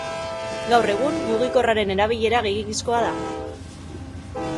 Gaur egun, mugikorraren erabilera gehiegizkoa da.